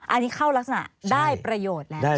อันนี้เข้ารักษณะได้ประโยชน์แล้ว